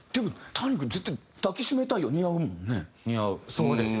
そうですよ。